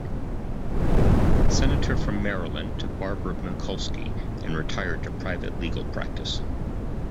Senator from Maryland to Barbara Mikulski and retired to private legal practice.